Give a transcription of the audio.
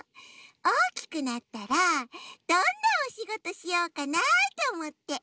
おおきくなったらどんなおしごとしようかなとおもって。